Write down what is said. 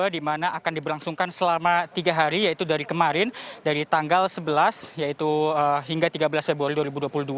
di mana akan diberlangsungkan selama tiga hari yaitu dari kemarin dari tanggal sebelas hingga tiga belas februari dua ribu dua puluh dua